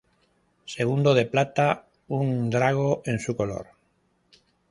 Segundo, de plata, un drago en su color.